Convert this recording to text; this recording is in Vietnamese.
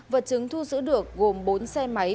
vật chứng thu giữ được gồm bốn xe máy